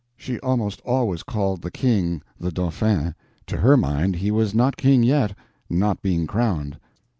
She almost always called the King the Dauphin. To her mind he was not King yet, not being crowned.